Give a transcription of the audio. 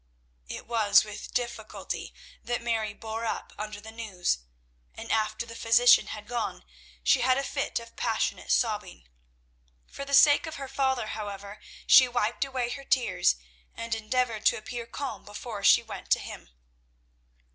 It was with difficulty that Mary bore up under the news, and, after the physician had gone, she had a fit of passionate sobbing. For the sake of her father, however, she wiped away her tears, and endeavoured to appear calm before she went to him.